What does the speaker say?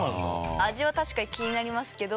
味は確かに気になりますけど。